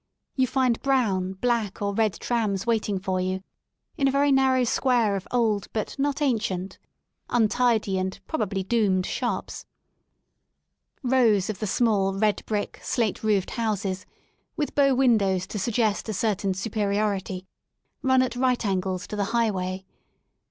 You find brown, black or red trams waiting for you in a very narrow Square of old, but not ancient, untidy, and probably doomed " shops. Rows of the small, red brick, slate roofed houses, with bow win dows to suggest a certain superiority, run at right angles to the highway.